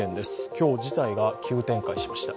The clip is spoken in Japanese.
今日事態が急展開しました。